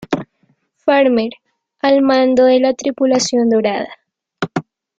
Farmer al mando de la tripulación dorada.